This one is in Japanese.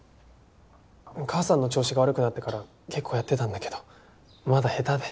母さんの調子が悪くなってから結構やってたんだけどまだ下手で。